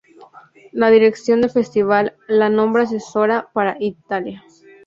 La dirección del Festival la nombra asesora para Italia.